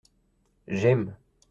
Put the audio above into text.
J’aime.